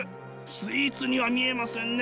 スイーツには見えませんね